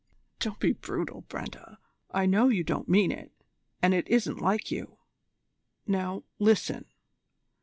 "Don't be brutal, Brenda! I know you don't mean it, and it isn't like you. Now, listen.